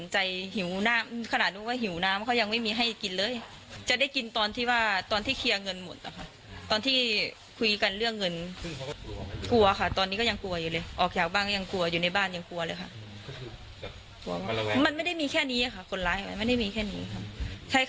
ใช่ค่ะไม่ให้ติดต่อญาตินะครับไม่สามารถติดต่อใครได้